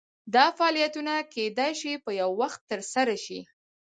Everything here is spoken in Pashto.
دا فعالیتونه کیدای شي په یو وخت ترسره شي.